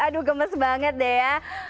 aduh gemes banget deh ya